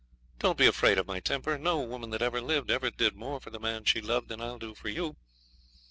Don't be afraid of my temper. No woman that ever lived ever did more for the man she loved than I'll do for you.